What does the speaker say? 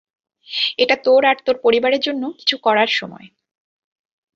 এটা তোর আর তোর পরিবারের জন্য কিছু করার সময়।